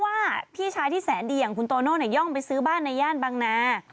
พี่ชายที่แสนดีอย่างคุณโตโน่ย่องไปซื้อบ้านในย่านบางนา